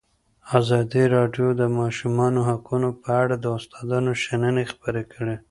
ازادي راډیو د د ماشومانو حقونه په اړه د استادانو شننې خپرې کړي.